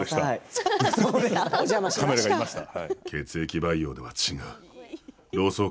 カメラがいました。